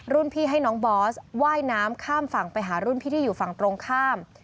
พี่ให้น้องบอสว่ายน้ำข้ามฝั่งไปหารุ่นพี่ที่อยู่ฝั่งตรงข้าม